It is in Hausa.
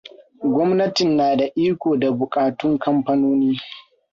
Gwamnatin na da iko da buƙatun kamfanoni.